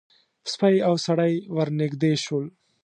سپی او سړی ور نږدې شول.